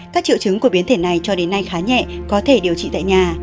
các triệu chứng của biến thể này cho đến nay khá nhẹ có thể điều trị tại nhà